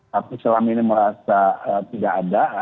tapi selama ini merasa tidak ada